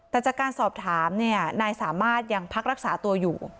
แต่จากการสอบถามนายสามารถยังพักรักษาตัวอยู่